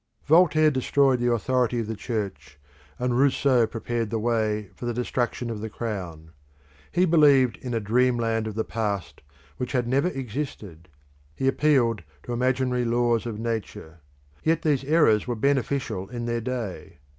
Voltaire destroyed the authority of the Church and Rousseau prepared the way for the destruction of the Crown. He believed in a dream land of the past which had never existed: he appealed to imaginary laws of Nature. Yet these errors were beneficial in their day.